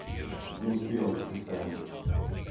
Jums pieliks sistēmu.